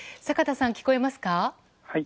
サカタさん聞こえますか？